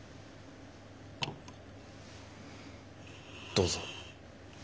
どうぞ。